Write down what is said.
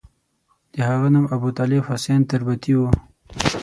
د هغه نوم ابوطالب حسین تربتي وو.